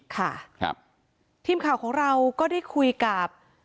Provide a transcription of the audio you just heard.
ค่ะครับทีมข่าวของเราก็ได้คุยกับ